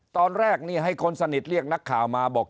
ตอนแรกนี่ให้คนสนิทเรียกนักข่าวมาบอก